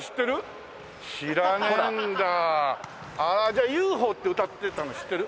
じゃあ「ＵＦＯ」って歌ってたの知ってる？